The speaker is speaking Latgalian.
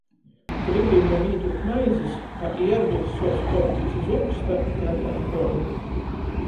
Gribim jam īdūt maizis, a Ierglis suoc kuoptīs iz ūksta i krateit golvu.